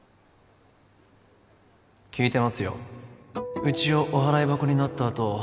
聞いてますようちをお払い箱になったあと